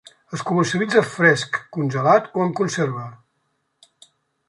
Es comercialitza fresc, congelat o en conserva.